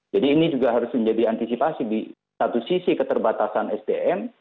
jadi ini juga harus menjadi antisipasi di satu sisi keterbatasan sdm